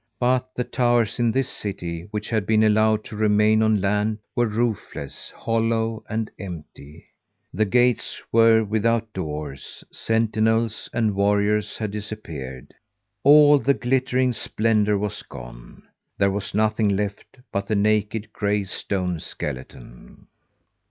But the towers in this city, which had been allowed to remain on land, were roofless, hollow and empty. The gates were without doors; sentinels and warriors had disappeared. All the glittering splendour was gone. There was nothing left but the naked, gray stone skeleton.